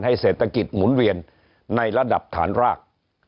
เศรษฐกิจหมุนเวียนในระดับฐานราก